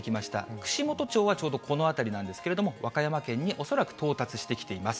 串本町はちょうどこの辺りなんですけれども、和歌山県に恐らく到達してきています。